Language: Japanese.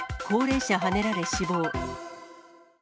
高齢者はねられ死亡。